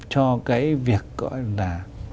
cho cái việc gọi là